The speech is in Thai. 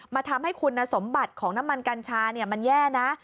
ทำให้คุณสมบัติของน้ำมันกัญชามันแย่นะ